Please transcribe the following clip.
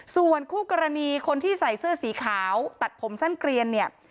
ส่วนคู่กรณีคนที่ใส่เสื้อสีขาวตัดผมสั้นเกลียนเนี่ย